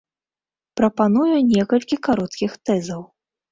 Прапаную некалькі кароткіх тэзаў.